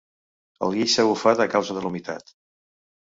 El guix s'ha bufat a causa de la humitat.